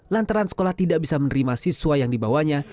lantaran sekolah tidak bisa menerima siswa yang dibawanya